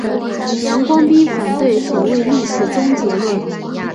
杨光斌明确反对所谓历史终结论。